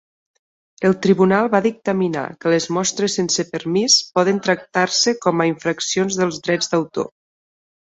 El tribunal va dictaminar que les mostres sense permís poden tractar-se com a infraccions dels drets d'autor.